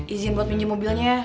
izin buat pinjem mobilnya ya